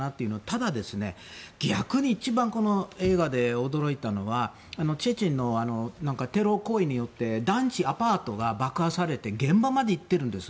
ただ、逆に一番この映画で驚いたのは父のテロ行為によって団地アパートが爆破されて現場まで行ってるんです。